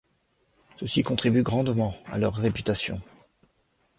Ceci contribue grandement à leur réputation.